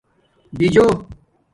بیجوُ